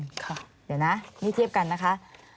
เดี๋ยวนะนี่เทียบกันนะคะ